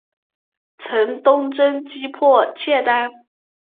曾东征击破契丹。